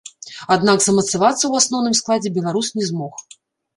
Аднак замацавацца ў асноўным складзе беларус не змог.